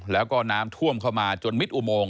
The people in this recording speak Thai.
แล้วก็น้ำท่วมเข้ามาจนมิดอุโมง